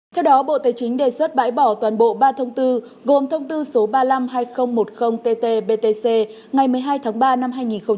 theo đó bộ tài chính đề xuất bãi bỏ toàn bộ ba thông tư gồm thông tư số ba mươi năm hai nghìn một mươi tt btc ngày một mươi hai tháng ba năm hai nghìn một mươi chín